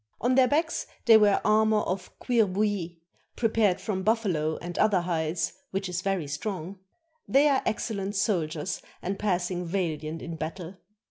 On their backs they wear armor of cuir bouilli, prepared from buffalo and other hides, which is very strong. They are excellent soldiers and passing valiant in battle.